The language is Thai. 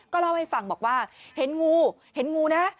ก็เล่าให้ฟังบอกว่าเห็นงูนะ